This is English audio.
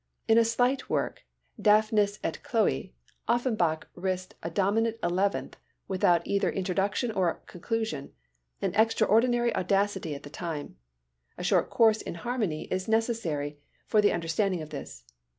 In a slight work, Daphnis et Chloé, Offenbach risked a dominant eleventh without either introduction or conclusion—an extraordinary audacity at the time. A short course in harmony is necessary for the understanding of this.